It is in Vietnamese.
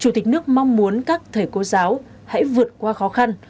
chủ tịch nước mong muốn các thầy cô giáo hãy vượt qua khó khăn